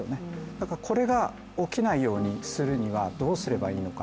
だから、これが、起きないようにするにはどうすればいいのか。